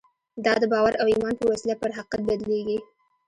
دا د باور او ایمان په وسیله پر حقیقت بدلېږي